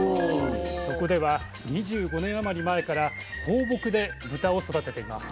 そこでは２５年余り前から放牧で豚を育てています。